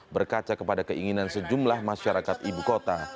berkaca kepada keinginan sejumlah masyarakat ibu kota